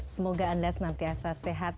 semoga anda senantiasa sehat